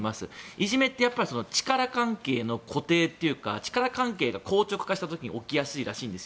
いじめって力関係の固定というか力関係が硬直した時に起こりやすいそうなんです。